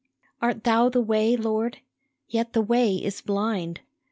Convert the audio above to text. Art Thou the way, Lord ? Yet the way is blind